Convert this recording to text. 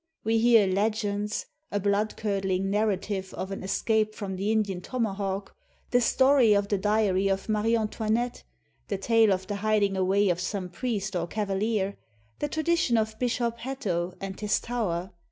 We hear legends — a bloodcurdling narrative of an es cape from the Indian tomahawk, the story of the diary of Marie Antoinette, the tale of the hiding away of some priest or oavaHer, the tradition of Bishop Hatto and his tower.